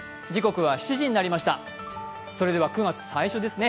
それでは９月最初ですね